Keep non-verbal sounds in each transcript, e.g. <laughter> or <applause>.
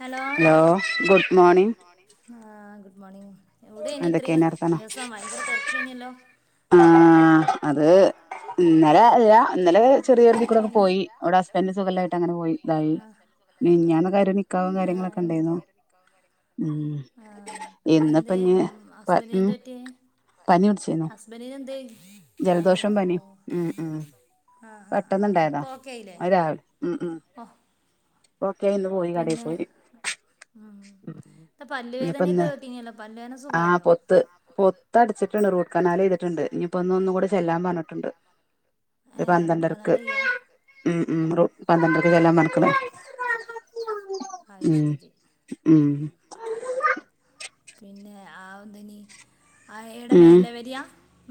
Hello ആഹ് good morning എവിടേനി ഇത്രയും ദിവസം ഭയങ്കര തിരക്കേഞ്ഞല്ലോ ആഹ് അത് ഇന്നലെ അല്ല ഇന്നലെ ചെറിയൊരുതി കൂടങ്ങ് പോയി അവിടെ ഹസ്ന്റ്ന് സുഖല്ലായിട്ട് അങ്ങനെ പോയി ഇതായി മിനിഞ്ഞാന്ന് കാര്യം കക്കാവും കാര്യങ്ങളൊക്കെ ഇണ്ടേന്നു അങ്ങനെ ഉം ആഹ് എന്തേ ഹസ്ബന്റിന് എന്ത പറ്റിയെ ബനിനെന്ത്‌ പനിയോ ഓ ആഹ് ആഹ് ആഹ് പ്പൊ ഓക്കെയായില്ലേ ഉം ഉം ഓഹ് ഓക്കെ ഇന്ന് പോയി കടേ പോയി ഉം ഇപ്പ പല്ലുവേദനയൊക്കെ കേട്ടീനല്യോ പല്ലുവേദന സുഖായോ ഇപ്പ അടച്ചിട്ടുണ്ട് റൂട്ട്കനാല് ചെയ്തിട്ടുണ്ട് ഇനിയിപ്പോ ഒന്ന് ഒന്ന് കൂടെ ചെല്ലാൻ പറഞ്ഞിട്ടുണ്ട് ഒരു പന്ത്രണ്ടരക്ക് ഉം ഉം റൂ പന്ത്രണ്ടരക്ക് ചെല്ല പറഞ്ഞേക്കണു അയ് ശരി ഉം പിന്നെ ആ ഒന്നുനി ആഹ് ഏടെ മേലെ വരിയാ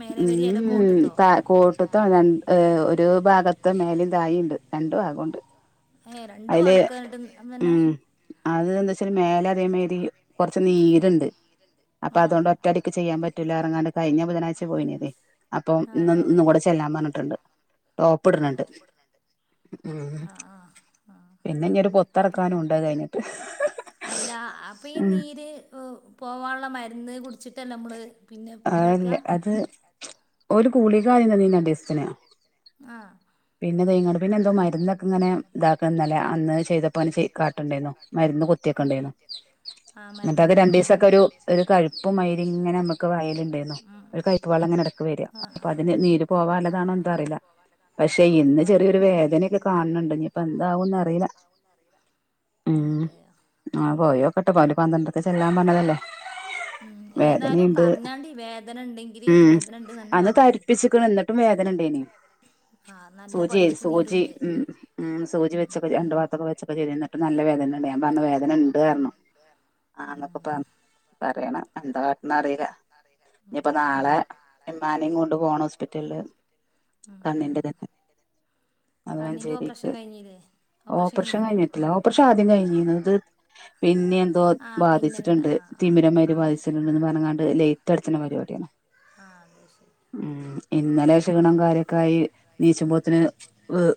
മേലെ വരിയേലക്കോട്ട്ത്തോ കോട്ട്ത്തെ രൺ ഒരു ഭാഗത്തെ മേലേം താഴെം ണ്ട് രണ്ടു ഭാഗംണ്ട് രണ്ടു <unintelligible> ഉം അത് എന്താച്ചാല് മേലെ അതേമാതിരി കൊറച്ച് നീരുണ്ട് അപ്പൊ അതുകൊണ്ട് ഒറ്റയടിക്ക് ചെയ്യാൻ പറ്റില്ല റഞ്ങ്ങാണ്ട് കഴിഞ്ഞ ബുധനാഴ്ച പോയിനതേ അപ്പൊ ഇന്ന് ഇന്നും കൂടെ ചെല്ലാൻ പറഞ്ഞിട്ടുണ്ട് ടോപ്പ് ഇടണണ്ട് ഉം പിന്നെ ഇഞൊരു പൊത്തിറക്കാനും ണ്ട് അത് കഴിഞ്ഞിട്ട് അല്ല അപ്പൊ ഈ നീര് പോവാനുള്ള മരുന്ന് കുടിച്ചിട്ടല്ലേമ്മള് അതല്ല അത് ഒരു ഗുളിക അതിന് തിന്നാൻ നിർദേശിച്ചിന് ആഹ് പിന്നെതൈങ്ങാണ്ട് പിന്നെന്തോ മര് തിന്നൊക്കെ ഇങ്ങനെ ദാക്കാൻ നല്ല അന്ന് ചെയ്തപ്പം അങ്ങനെ ചെയ്‌ കാട്ടണ്ടന്നു മരുന്നു കുത്തി വെക്കണ്ടാനു എന്നിട്ടത് രണ്ടിസെക്കരു ഒരു കഴ്‌പ്പും മായിരിങ്ങനെ മ്മക്ക്‌ വായിലിണ്ടേരുന്നു ഒരു കയ് പ്പവളങ്ങനെ ഇടക്ക് വര അപ്പ അതിന് നീര് പോവാള്ളതാണോ എന്തോറിയില്ല പക്ഷെ ഇന്ന് ചെറിയൊരു വേദനക്കെ കാണണണ്ട് ഇനിപ്പൊ എന്താവോന്നറിയില്ല അഹ് അതേയൊ ആ പോയോകട്ടെ അവര് പന്ത്രണ്ടരക്ക് ചെല്ലാമ്പറഞ്ഞതല്ലേ ഉം ഏതായാലും പറഞ്ഞാണ്ടി വേദന ണ്ടെങ്കില് വേദന ഉണ്ട്ന്ന്ന്നെ പറഞ്ഞാണ്ടി ആഹ് നല്ല പഴുപ്പും നീരുണ്ട് ഉം സൂചി വച്ചക്കെ രണ്ടുഭാഗത്തൊ ക്കെ വെച്ചക്കെ ചെയ്തയാണ് ന്നിട്ടും നല്ല വേദന ഞാപറഞ് വേദന ഉണ്ട്റഞ്ഞു ആന്നൊക്കെ പറ പറയണം എന്താ കാട്ട്ണറിയി ല്ല ഇനിപ്പോ നാളെ ഇമ്മാനേം കൊണ്ട് പോണം ഹോസ്പിറ്റലില് കണ്ണിന്റെ ഇത് അമഞ്ചേരിക്ക് ഓപ്പറേഷൻ കഴിഞ്ഞിട്ടില്ല ഓപ്പറേഷൻ ആദ്യം കഴിഞ്ഞിന്നത് പിന്നെ എന്തോ ബാധിച്ചിട്ടിണ്ട് തിമിരം മാതിരി ബാധിച്ചിട്ടുണ്ട്ന്ന് പറഞ്ഞിങ്ങാണ്ട് ലൈ റ്റടിച്ച്ന്ന പരിപാടിയാണ് ഉം ഇന്നലെക്ഷീണം കാര്യക്കായി നീച്ചുമ്പോത്തിന്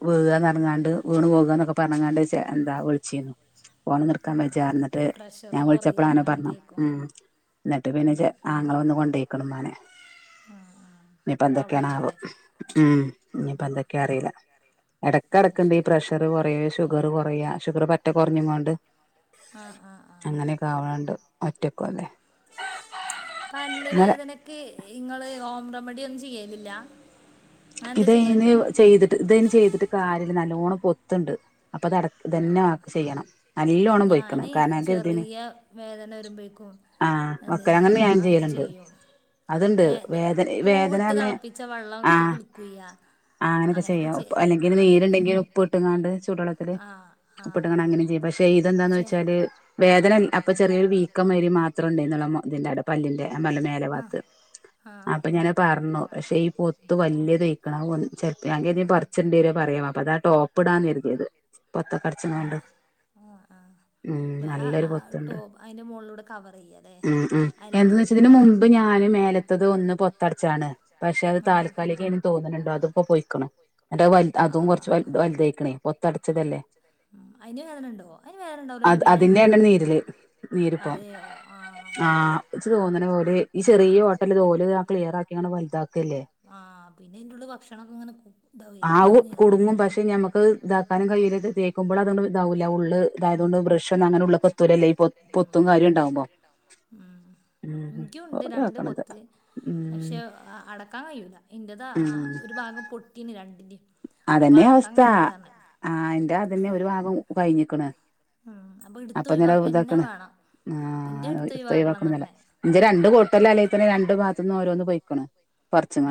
വീ കറങ്ങാണ്ട് വീണ് പോവു കന്നൊക്കെ പറഞ്ഞാണ്ട് എന്താ വിളിച്ചിന്നു ഫോണ് നിർത്താൻ വിളിച്ചെയ ന്നിട്ട് ഞാൻ വിളിച്ചപ്പളാണ് പറഞ്ഞത് മ് എന്നിട്ട് പിന്നെ ചെ ആങ്ങള വന്ന് കൊണ്ടേയ്ക്ക്ണ് മ്മാനെ ഇനിയിപ്പ എന്തൊക്കെയണാവോ മ് ഇനിപ്പന്തക്കയാറിയില്ല എടയ്ക്കടക്കുണ്ട് ഈ പ്രഷറ് കുറയ ഷുഗർ കുറയ ഷുഗർ പറ്റെ കൊറഞ്ഞങ്ങാട് ആഹ് ആഹ് അങ്ങനെക്കെ ആവണ്ട് ഒറ്റക്കുല്ലേ പല്ല് വേദന ക്ക്‌ ഇങ്ങള് ഹോം റമഡി ഒന്നും ചെയ്യലില്ല ഇതയ്ന് ചെയ്തിട്ട് ഇതയ്ന് ചെയ്തിട്ട് കാര്യല്ല നല്ലോണ്ണം പൊത്ത്ണ്ട് അപ്പൊ അതട ഇതന്നെ ആക്ക് ചെയ്യണം നല്ലോണം പൊയ്ക്ണ് കാരണം ഞാ കരുതീന് ആഹ് <unintelligible> അങ്ങനെ ഞാനും ചെയ്യല്ണ്ട്. അത്ണ്ട് വേദന വേദന തന്നെ ആ അങ്ങനെക്കെ ചെയ്യാം ഉപ്പ് അല്ലെങ്കിൽ നീരുണ്ടെങ്കിഉപ്പ് ഇട്ടങ്ങാണ്ട് ചൂടുള്ള <unintelligible> ഉപ്പ്ട്ട്ക്കാണ്ട് അങ്ങനെ ചെയ് <unintelligible> പെ ഇതെന്താന്ന് വെച്ചാല് വേദന അപ്പൊ ചെറിയൊരു വീക്കം വരി മാത്രണ്ടായിരുന്നൊള്ളൂ ഇതിന്റെടെ പല്ലിന്റെ ഞാൻ പർഞ്‌ലെ മേലബാത്ത് അപ്പൊ ഞാന അത് പർഞ്ഞു പക്ഷെ ഈ പൊത്ത് വലിയതയ് <unintelligible> ചെൽപ്പൊ ഞാ കര്തി പറിച്ചിണ്ടരോ പറയൊ അതാ ടോപ്പ്ടാൻ കരുതിയത് പൊത്തൊക്കട്ച്ങ്ങാണ്ട് ഉം നല്ലൊരു പൊത്തുണ്ട് ഉം ഉം എന്ന് വച്ച് ഇതിനു മുമ്പ് ഞാന് മേല ത്തത് ഒന്ന് പൊത്തട്ച്ചാണ് പക്ഷെ അത് താൽക്കാലികം ഏനി തോന്ന്ണ് ണ്ട് അത്പ്പൊ പൊയ്ക്ക്ണ്. ന്നട്ട് അത് വ അതും കൊർച്ച് വ വലുതയ്ക്ക്ണേ പൊത്തട്ച്ചതല്ലേ ഉം അയിന് വേദന ഉണ്ടോ അയിന് വേധനഉണ്ടാവുലല്ലോ പിന്നെ അതെയൊ ആഹ് ച്ച് തോന്ന ണ് ഓല് ഈ ചെറിയ ഓട്ടല്ലെത് ഓല് ക്ലിയറാക്കിങാണ്ട് വൽതാക്കല്ലേ ആഹ് പിന്നെ അയ്ൻ്റെ ഉള്ള് ഭക്ഷണൊക്കെ ഇങ്ങനെ ആവും കുടുങ്ങും പക്ഷെ ഞമ്മക്ക് അത് ഇതാക്കാനും കയ്യൂല ഇത് തേക്കുമ്പൊളത് അങ് ഇതാവൂല്ല ഉള്ള് ഉം ഉം ഇൻക്ക്യുണ്ട് രണ്ട് പൊത്ത് പക്ഷെ ആ അടക്കാൻ കഴിയൂല്ല എന്റേതു ഒരു ഭാഗം പൊട്ടിന്ന് രണ്ടിൻ്റിം അതന്നെ അവസ്ഥ ആ എന്റെ അതന്നെ ഒരു ഭാഗം കഴിഞ്ഞ്ക്ക്ണ് ഉം അപ്പൊ ഇട്ത്ത് ഒഴിവാക്കന്നെ വേണം ഇന്റെ എട്ത്ത് ഒയ് വാകണംന്നർഞ്ഞേ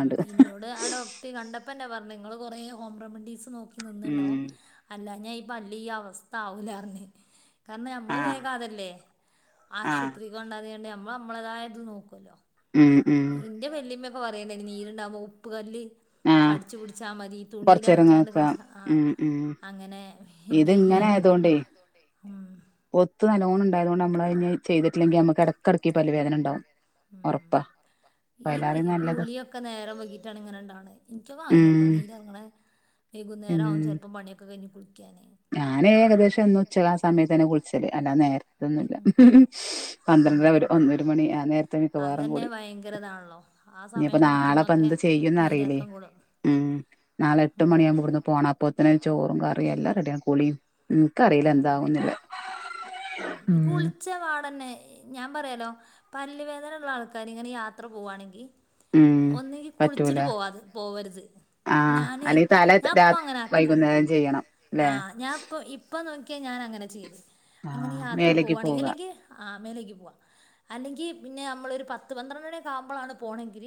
ഉം ഇന്നോട് ആ ഡോക്ട് കണ്ടപ്പന്നെ പർഞ്ഞ് ഇങ്ങള് കൊറേ ഹോം റെമഡീസ് നോ ക്കി നിന്ന്ണ്ടാവും അല്ലാനാ ഈ പല്ല് ഈ അവസ്ഥ ആവൂലാർഞ് കാരണം നമ്മള് വേഗാതല്ലേ ആശുപത്രീക്ക് കൊണ്ടോ <unintelligible> നമ്മൾ നമ്മളേതായത് നോക്കുവല്ലോ ഉം ഉം ഇന്റെ വല്ലിയമ്മയൊക്ക പറയലേനി നീര്ണ്ടാകുമ്പൊ ഉപ്പ് കല്ല് കട്ച്ചു പിടിച്ചാ മതി തുണിയിലാക്കിയാണ്ട് കടിച്ച ആ അങ്ങനെ പിന്നെ ഇയാള് ഉം പൊത്ത് നല്ലോണം ഉണ്ടായത് കൊണ്ട് നമ്മള് അയ്ന് ചെയ്തിട്ടില്ലെങ്കി നമുക്ക് എട്ക്കട്ക്ക് ഈ പല്ല് വേദന ഇണ്ടാവും ഒറപ്പാ ഇ ഈ നീ കൂളിയൊക്കെ നേരം വൈകിട്ടാണ് ഇങ്ങനെ ഇണ്ടാണ് ഇൻക്ക് ഒക്കെ അങ്ങനെ ട്ടോ നീര് എർങ്ങ്ണേ വൈകുന്നേരം ആവും ചെൽപ്പൊ പണിയൊക്കെ കഴിഞ് കുളിക്ക്യാന് ഞാന് ഏകദേശം എന്നും ഉച്ചക ആ സമയത്തന്നെ കുളിച്ചല് അല്ലാ നേരത്തൊന്നുല്ല പന്ത്രണ്ടര ഒര് ഒന്നൊര മണി ആ നേരത്തെ മിക്കവാറും കുളി ഇനിപ്പ നാളെപ്പ എന്ത് ചെയ്യുംന്ന അറിയില്ലേ ഉം നാളെ എട്ട് മണിയാവുമ്പ ഇവട്ന്ന് പോണം അപ്പോത്ത്ന് ഒരു ചോറും കറിം എല്ലാം റെഡിയാ കുളിം ആഹ് ഉം കുളിച്ച പാടന്നെ ഞാൻ പറയലോ പല്ല് വേദന ഉള്ള ആൾക്കാർ ഇങ്ങനെ യാത്ര പോവാണെങ്കി ഒന്നേങ്കി കുളിച്ചിട്ട് പോവാത് പോവരുത് ഞാന് ഞാൻ ഇപ്പ അങ്ങനെ ആക്കല ആഹ് ഞാൻ ഇപ്പൊ ഇ പ്പൊ നോക്കിയാൽ ഞാൻ അങ്ങനെ ചെയ്ത് എങ്ങനെ യാത്ര പോകവാണെങ്കിൽ അല്ലെങ്കിൽ ആ മേലെയ്കി പോവാ അല്ലെങ്കിൽ പിന്നെ നമ്മളൊരു പത്ത് പന്ത്രണ്ട് മണിയൊക്കെ ആവുമ്പളാണ് പോണെങ്കിൽ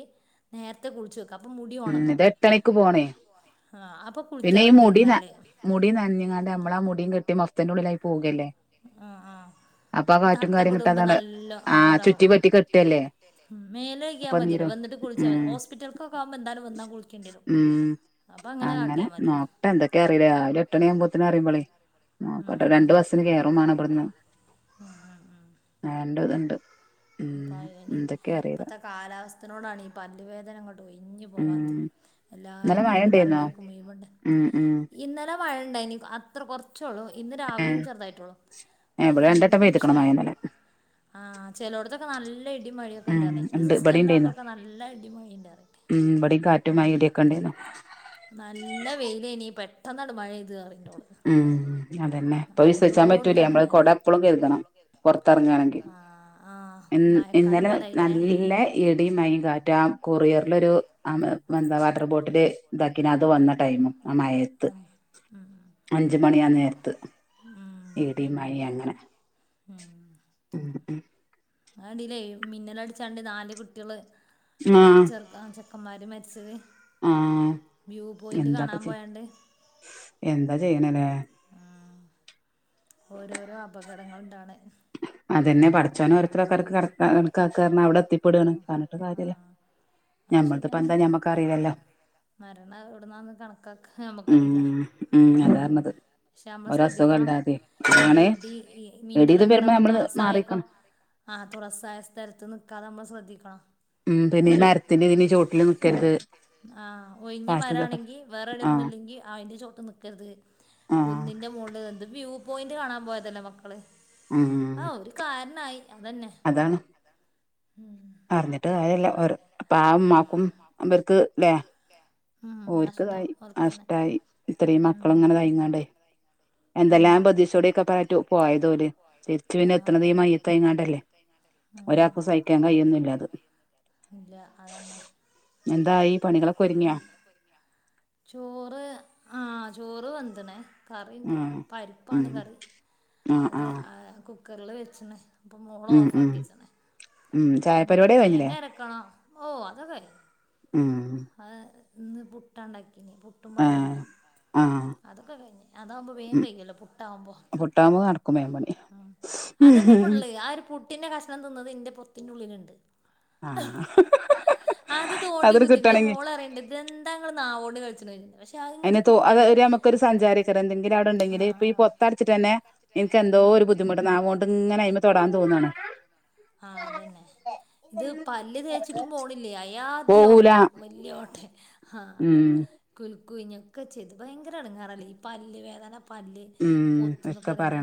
നേരത്തെ കുൾച്ച് ഉം ഇത് എട്ടണിക്ക് പോണേ പിന്നെ ഈ മുടി ന മുടി നഞ്ഞങ്ങാണ്ട് നമ്മളാ മു കെട്ട്യാ മഫ്തന്റെ ഉള്ളിലായി പോകല്ലേ ആഹ് ആഹ് തട്ടക്കുടുമ്പോ നല്ലോ ആഹ് അതാവും മേല് കഴിക്കാ മതിയല്ലോ വന്ന്ട്ട് ളിച്ചാൽതി ഹോസ്പിറ്റല്ക്കൊക്കെ ആവുമ്പോ എന്താലും വന്നാ കുളിക്കേണ്ടി വെരും അപ്പ അങ്ങനെ കാട്ട്യാ മതി ത എന്തകെ അറീല്ല രാവിലെ എട്ടണി ആവുമ്പോത്തിന് അറിമ്പളേ നോക്കട്ടെ രണ്ട് ബസ്സന് കേറും മാണം ഇഭട്ന്ന് രണ്ട് രണ്ട് <unintelligible> ഇപ്പത്തെ കാലാവസ്ഥനോടാണ് പല്ല് വേദനങ്ങട്ട് ഒയിഞ്ഞ് പോവാത് എല്ലാർക്കുംണ്ട് പാറി നോൽക്ക് മുയുവണ്ട് ഇന്നലെ മഴണ്ടായിനി അ അത്ര കുറച്ചള്ളൂ ഇന്ന് രാവിലിം ചെറുതായിട്ടോളൂ പക്ഷെ ആഹ് ചെലോട്ത്തൊകെ നല്ല ഇടിമഴൊക്കെ ഇണ്ടാറ്ന്ന് ഇന്റെ സിസ്റ്ററിൻ്റെ ആട്ടൊക്കെ നല്ല അടിമഴിം ഇണ്ടാറ്ഞ്ഞ് ഇവടിം കാറ്റും മഴി ഇടിയോകെ യിണ്ടെന്നു നല്ല വെയിലേനി പെട്ടെന്നാട് മഴയ്ത് ന്നറിണ്ടോള് ഉം അതന്നെ പൊ വിസ്വച്ചാൻ പറ്റൂലേ നമ്മള് കൊട എപ്പളും കര്തണം പോറ്ത്തറങ്ങാണെങ്കി ഇൻ ഇന്നലെ നല്ലേ ഇടി മഴി കാറ്റ ആഹ് കൊറിയറിലൊരു എന്താ വാട്ടർ ബോട്ടല് ഇതാക്കിന് അത് വന്ന ടൈമും ആഹ് മഴയത്ത് ഉം അഞ്ച് മണിയാ നേര്ത്ത് ഇടി മയി അങ്ങനെ ഉം ഉം ആഹ് ടിലെ മിന്നലടിച്ചാണ്ട് നാല് കുട്ട്യാള് ആഹ് കാ ചെക്കന്മാര് മരിച്ചത് വ്യൂ പോയിന്റ് കാണാം പോയണ്ട് എന്താ ചെയ്യ്ണല്ലേ. ആഹ് ഓരോരോ അപകടങ്ങള് ഇണ്ടാണ് അതെന്നെ പടച്ചോന് ഓരോര്ത്തരക്കാർക്ക് കണക്കാക്കാ പറഞ്ഞാ അവിടെ എത്തിപ്പെടാണ് പറഞ്ഞിട്ട് കാര്യല്ല. ഞമ്മത് ഇപ്പ എന്താ ഞമ്മക്ക് അറീല്ലല്ലോ. മരണം എവിടുന്നാന്ന് കണക്കാക്ക നമ്മക്കറിയില്ല ഉം. പക്ഷേ നമ്മൾ ശ്രദ്ധിക്കണം ഈ ഇടി ഈ മിന്നലൊക്കെ ഇണ്ടകുമ്പോ തോറസ്സായ ആഹ് തോറസ്സായ സ്ഥലത്ത് നിക്കാതെ നമ്മൾ ശ്രദ്ധിക്കണം. ഉം പിന്നെ ഈ മരത്തിന്റെ ഇതിന്റെ ച്ചോട്ടില് നിക്കര്ത്. ആഹ് ഒഴിഞ്ഞ മരാണെങ്കി വേറെവിടെന്നും ഇല്ലെങ്കി അയിന്റെ ചോട്ട് നിക്കര്ത്. കുന്നിന്റെ മോളള് ഇത് വ്യൂ പോയിന്റ് കാണാം പോയതല്ലേ മക്കള്. ഉം. കാര്ണായി അതന്നെ ഉം. പറഞ്ഞിട്ട് കര്യല്ല ഓരോ പാവം ഇമ്മാക്കും ഇവല്ക്ക്ല്ലേ ഓർക്ക്തായി നഷ്ടായി ഇത്രയും മക്കളെ ഇങ്ങനെതായിങ്ങാണ്ടെ എന്തെല്ലാം പ്രതീക്ഷയോടെക്കപ്പ അയിറ്റു പോയതോല് തിരിച്ചു പിന്നെ എത്ത്ണത് ഈ മയ്യത്തായിങ്ങാണ്ടല്ലേ. ഒരാക്കും സഹിക്കാൻ കഴിയൊന്നുല്ല അത്. ഇല്ല അതന്നെ. <unintelligible> ചോറ് ആഹ് ചോറ് വെന്ത്ണ് കറീണ്ട്. പരിപ്പാണ് കറി അത് ആഹ് കുക്കറിൽ വെച്ച്ണ്. അപ്പം മോള് ഓഫാക്കി വെച്ച്ണ്. ഇനി അത് തേങ്ങ അരക്കണം ഓ അത് വെ ആഹ് ഇന്ന് പുട്ടാ ഉണ്ടാക്കിയന് പുട്ടും പഴവാര്ന്ന് അതൊക്കെ കയിഞ്ഞ് അതാംമ്പോ വേ കഴിയല്ലോ പുട്ടാവുമ്പോ അതന്നെ ഇപ്പിള്ളത് ആ ഒരു പുട്ട് പുട്ടിന്റെ കഷണം തിന്നത് എന്റെ പൊത്തിന്റെ ഉള്ളിലൊണ്ട്. അത് തോണ്ടി കുത്തി എന്റെ മോള് പറയിണ്ട്. ഇതെന്താ നിങ്ങള് നാവോണ്ട് കളിച്ചണത് പക്ഷേ അത് ഇങ്ങോട്ട് കിട്ടണ്ടേ. ക്കൊരു സഞ്ചാരീക്കരം എന്തെങ്കിലും അവ്ടണ്ടെങ്കില് ഇപ്പീ പൊത്തടച്ചിട്ടന്നെ എനിക്ക് എന്തോ ഒരു ബുദ്ധിമുട്ട് നാവോണ്ട് ഇങ്ങനെ അയിമേ തൊടാൻ തോന്നാണ്. ആഹ് അതന്നെ. ഇത് പല്ല് തേച്ചിട്ടും പോണില്ലേ അയാദ്യോ വല്യോട്ടെ ആഹ് കുൽക്കൂഞ്ഞൊക്കെ ചെയ്ത് ഭയങ്കര എടങ്ങാറല്ലേ ഈ പല്ല് വേദന പല്ല് പൊത്ത് ന്നൊക്കെ അറിയണെ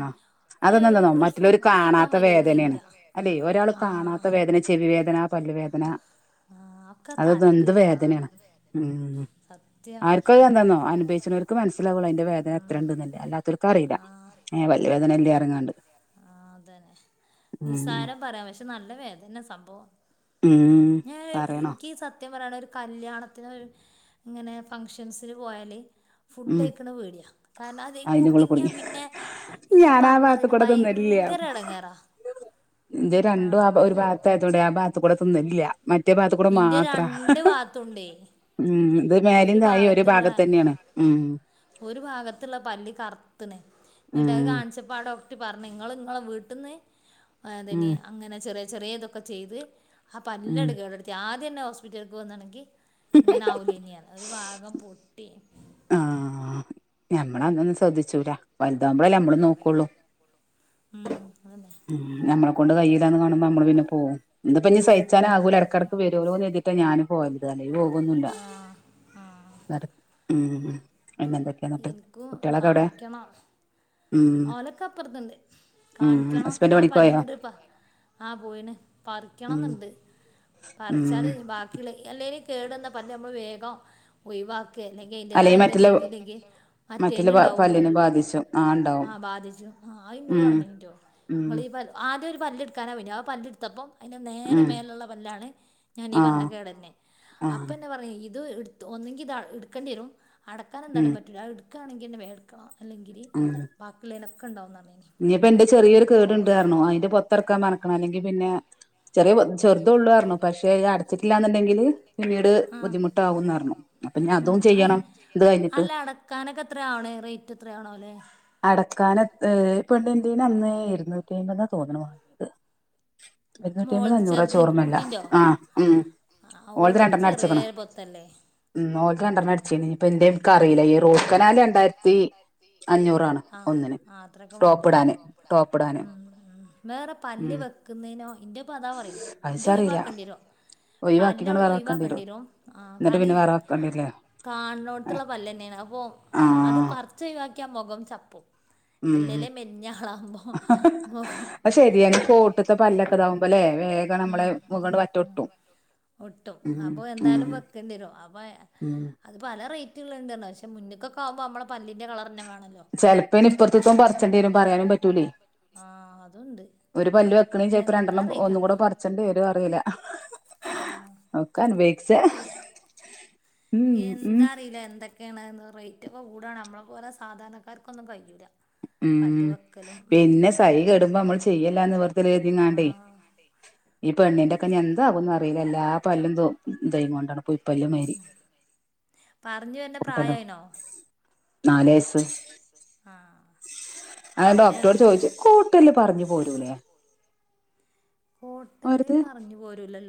ഞാന് ഒര് ഒരു ഫുഡ് കഴിക്കാൻ മരിയാതിക്ക് കഴിയൂല അല്ലേ ഒരാൾ കാണാത്ത വേദന ചെവി വേദന പല്ല് വേദന അതെന്ത് വേദനാണ് ഉം ആർക്കു അതെന്തന്നോ അനുഭവിച്ചണോർക്ക് മനസിലാവുള്ളു അയിന്റെ വേദന എത്ര ഉണ്ടന്നല്ലേ അല്ലാത ഇൻക്കറില്ല ഏ പല്ല് വേദനല്ലേ എറങ്ങാണ്ട് ഉം. നല്ല വേദന സംഭവം ഞാൻ ഇൻക്കേസ് അ സത്യം പറയാണെ ഒരു കല്ല്യാണത്തിന് ഒരു ഇങ്ങനെ ഫങ്ഷൻസിന് പോയാല് ഫുഡൈയിക്കണ പേടിയാ കാർണത് കുടുങ്ങിയ പിന്നെ ഈ പറഞ്ഞതിന് ഭയങ്കര എടങ്ങേറാ. ആഹ് ഇന്റെ രണ്ട് ഭാ ത്തുണ്ടേ. ഉം ഇത് മേലേം താഴേം ഒരു ഭാഗത്തന്നെയാണ്. ഒരു ഭാഗത്തുള്ള പല്ല് കറ്ത്ത്ണ് എന്നിട്ട് അത് കാണിച്ച പ്പ ആ ഡോക്റ്റ് പറഞ്ഞ് നിങ്ങള് നിങ്ങളെ വീട്ടിന്ന് ആഹ് എന്തേനി അങ്ങനെ ചെറിയ ചെറിയ ഇതൊക്കെ ചെയ്ത് ആ പല്ലട് കേടട്ത്ത് ആദ്യന്നെ ഹോസ്പിറ്റൽക്ക് വന്നിണെങ്കി ഇങ്ങനാവുല്ലേനി പറഞ്ഞ് ഒരുഭാഗം പൊട്ടി. ആഹ് ഞമ്മള് അതൊന്നും ശ്രദ്ധിച്ചൂല, വലുതാവുമ്പോളല്ലേ നമ്മളും നോക്കുള്ളൂ. ഉം അതനെ ഉം നമ്മള കൊണ്ട് കയ്യൂലാന്ന് കാണുമ്പോ നമ്മള് പിന്നെ പോവും എന്തപ്പോ ഇനി സഹിച്ചാനാകൂല എടക്ക് എടക്ക് വരൂലോന്ന് കരുതിട്ടാ ഞാന് പോയത് അല്ലേ പോകുന്നില്ല എട ഉം പിന്നെന്തൊ എനിക്കും കാണിക്കണം ഓലക്ക അപ്പുറത്ത്ണ്ട് കാണിക്കണം ആ പരിചയപെട്ടപ്പ ആഹ് പോയിന് പറിക്കണംന്നുണ്ട് പറിച്ചാല് ബാക്കിയുള്ള അല്ലേല് കേട് വന്ന പല് നമ്മള് വേഗം ഒഴിവാ ക്കെ അല്ലെങ്കി അയിന്റേതായ എന്താ ചെയ്തില്ലെങ്കി മറ്റേനുണ്ടാവും പോലും ആഹ് ബാധിച്ചു ഹാ എന്നോട് പറഞ്ഞീറ്റൊ നിങ്ങളീ പല ആദ്യം ഒരു പല്ലെടുക്കാനാ പോയിന് ആ പല്ലെടുത്തപ്പം അയിന് നേരെ മേൾലൊള്ള പല്ലാണ് ഞാനീ പറഞ്ഞ കേടന്നെ അപ്പന്നെ പറയാ ഇത് എട് ഒന്നെങ്കി ഇത് എടുക്കേണ്ടി വെരും അടക്കാൻ എന്താലും പറ്റൂല്ല ആ എടുക്കാണെങ്കിയന്ന വേഗെടുക്കണം അല്ലെങ്കില് മം ബാക്കിള്ളതിനൊക്കെ ഉണ്ടാവും പറഞ്ഞിനി- ഇനിയിപ്പൊ എന്റെ ചെറിയൊരു കേടുണ്ടായിരുന്നു അതിന്റെ പുത്തിറക്കാൻനടക്കണം അല്ലെങ്കിൽ പിന്നെ- ചെറിയ ചെറുതുള്ളുയിരുന്നു പക്ഷേത് അടച്ചിട്ടില്ലാന്നുണ്ടെങ്കില് പിന്നീട് ബുദ്ധിമുട്ടാകുമെന്ന് പറഞ്ഞു അപ്പൊ അതും ചെയ്യണം ഇത് കഴിഞ്ഞിട്ട് കണക്കെത്രയാണ് റേറ്റ് എത്രയാണോ അല്ലേ അടക്കൻ ഇപ്പണ്ട് എൻറെ കൈയിൽനിന്ന് അന്ന് ഇരുന്നൂറ്റിയൻപത്ന്നാ തോന്ന്നേ വാങ്ങിയത് എരുന്നൂറ്റി അമ്പതൊ അഞ്ഞൂറോ വച്ച് ഓർമ്മയില്ല ആഹ് അത്പോലെത്തെക്കെ ചെറിയ പൊത്തല്ലേ ഉം നോക്കാം രണ്ടെണ്ണം അടച്ചേ ഇപ്പം എന്താവും എന്ന് എനിക്ക് അറിയില്ല ഈ റൂട്ട്ക്കനാൽ രണ്ടായിരത്തി അഞ്ഞൂറാണ് ഒന്നിന് ടോപ്പിടാന് ടോപ്പിടാന് വേറെ പല്ല് വെക്കുന്നതിനോ ഇന്റെപ്പ അതാ പറയുന്ന എന്റെ ഓഴിവാക്കേണ്ടി വരോ- പല്ല് അവിടുന്ന് ഒഴിവാക്കേണ്ടിരും ആ കാരണം- കാണണോടത്തുള്ള പല്ല് തന്നെയാണ് അപ്പൊ അത് പറിച്ച് ഒഴിവാക്കിയാൽ മുഖം ചപ്പും- ഉം അത് ശരിയ കോട്ടത്തെ പല്ലൊക്കെതാവും അല്ലേ വേഗം നമ്മളെ മുഖണ്ട് പറ്റോട്ടും ഒട്ടും അപ്പൊ എന്തായാലും വെക്കേണ്ടി വരും അപ്പൊ അത് പല റേറ്റുകള ഉണ്ട്ല്ല പക്ഷേ മുനിക്കെ ആമ്പോൾ നമ്മുടെ പല്ല് ന്റെ കളർ തന്നെ വേണല്ലോ ചിലപ്പൊ ഇനി ഇപ്പറത്തെത് പറിച്ചെടുക്കേണ്ടി വരും ആ അതുണ്ട് ഒരു പല്ല് വെക്കണോങ്കി ചിലപ്പോ രണ്ടെണ്ണം പോകും ഒന്നും കൂടെ പറിക്കേണ്ടി വര്വോ അറിയില്ല ഒക്കെ അനുഭവിക്യാ എന്താ അറിയില്ല എന്തൊക്കെയാണെന്ന് റേറ്റ് ഒക്കെ കൂടാണ് നമ്മളെ പോലെ സാധാരണക്കാർക്കൊന്നും കഴിയൂല പല്ല് വക്കലും ആഹ് ഈ പെണ്ണിന്റെക്കെ എന്താകുന്നു അറിയില്ല എല്ലാ പല്ലും ദൈ കൊണ് പുയിപ്പല്ല് മാരി കട്ടലോ നാലേ വയസ് നാലു വയസ്സ് ആഹ് ആവണേള്ളൂ ക്വാർട്ടറിലെ പറിഞ്ഞു പോരുല്ലല്ലോ